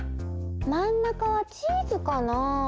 まん中はチーズかなあ？